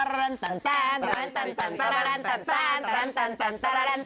๓รอบ